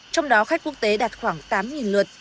trong đó khách quốc tế đạt khoảng tám lượt